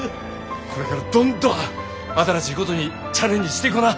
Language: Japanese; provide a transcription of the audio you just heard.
これからどんどん新しいことにチャレンジしていこな。